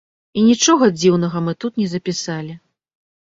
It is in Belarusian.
І нічога дзіўнага мы тут не запісалі.